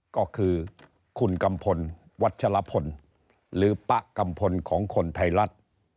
ก็คือคุณกัมพลวัชลพลหรือป๊ะกัมพลของคนไทยรัฐ